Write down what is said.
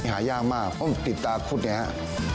หายากมากเพราะมันติดตาขุดอย่างนี้ครับ